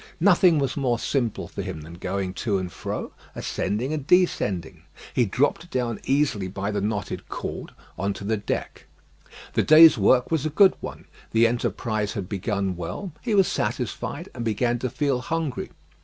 Nothing was more simple for him than going to and fro, ascending and descending. He dropped down easily by the knotted cord on to the deck. The day's work was a good one, the enterprise had begun well; he was satisfied, and began to feel hungry.